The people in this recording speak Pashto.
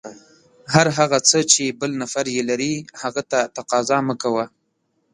هر هغه څه چې بل نفر یې لري، هغه ته تقاضا مه کوه.